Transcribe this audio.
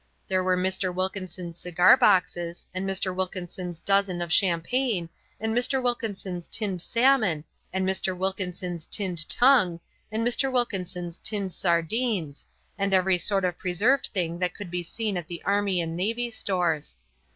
There were Mr. Wilkinson's cigar boxes and Mr. Wilkinson's dozen of champagne and Mr. Wilkinson's tinned salmon and Mr. Wilkinson's tinned tongue and Mr. Wilkinson's tinned sardines, and every sort of preserved thing that could be seen at the Army and Navy stores.